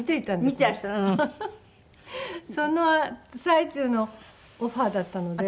その最中のオファーだったので。